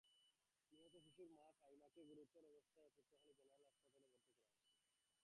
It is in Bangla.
নিহত শিশুর মা ফাহিমাকে গুরুতর অবস্থায় পটুয়াখালী জেনারেল হাসপাতালে ভর্তি করা হয়েছে।